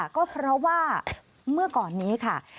ก็เพราะว่าเมื่อก่อนนี้ค่ะ